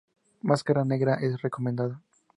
Mascara negra es recomendada.